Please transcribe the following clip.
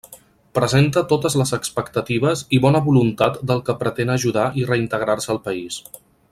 Presenta totes les expectatives i bona voluntat del que pretén ajudar i reintegrar-se al país.